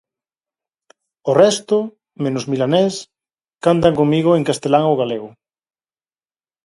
O resto, menos Milanés, cantan comigo en castelán ou galego.